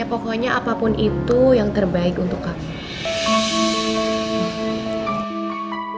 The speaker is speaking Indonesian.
ya pokoknya apapun itu yang terbaik untuk kamu